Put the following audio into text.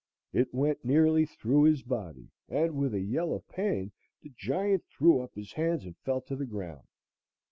It went nearly through his body and, with a yell of pain, the giant threw up his hands and fell to the ground.